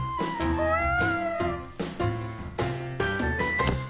うん。